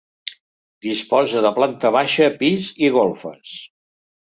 Disposa de planta baixa, pis i golfes.